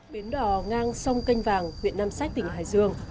bến đỏ ngang sông kênh vàng huyện nam sách tỉnh hải dương